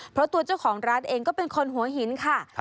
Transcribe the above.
เพราะตัวเจ้าของร้านเองก็เป็นคนหัวหินค่ะ